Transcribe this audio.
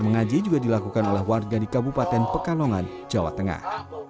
mengaji juga dilakukan oleh warga di kabupaten pekalongan jawa tengah